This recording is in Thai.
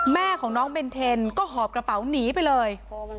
แม่ของน้องเบนเทนก็หอบกระเป๋าหนีไปเลย